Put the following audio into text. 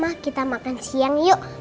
wah kita makan siang yuk